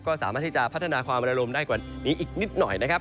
ก็สามารถที่จะพัฒนาความระลมได้กว่านี้อีกนิดหน่อยนะครับ